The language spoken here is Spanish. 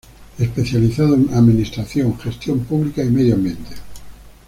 Especializado en Administración, Gestión Pública y Medio Ambiente.